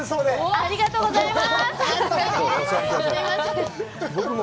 ありがとうございます！